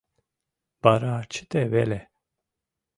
Вара чыте веле!